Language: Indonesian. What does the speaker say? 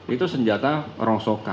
itu senjata rongsokan